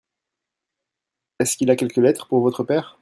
Est-ce qu'il a quelques lettres pour votre père ?